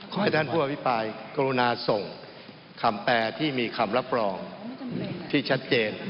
ให้ท่านผู้อภิปรายกรุณาส่งคำแปลที่มีคำรับรองที่ชัดเจน